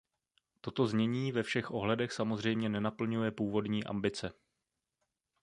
Toto znění ve všech ohledech samozřejmě nenaplňuje původní ambice.